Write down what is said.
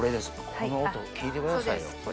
この音を聞いてくださいよ